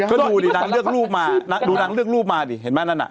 ก็ดูดีนางเลือกรูปมาเห็นมั้ยนั้นน่ะ